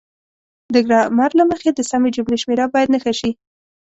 د ګرامر له مخې د سمې جملې شمیره باید نښه شي.